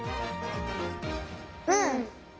うん！